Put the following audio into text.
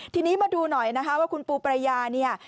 ทีนี้มาดูหน่อยนะคะว่าคุณปูปรายาเนี่ย